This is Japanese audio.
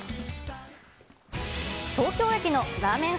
東京駅のラーメン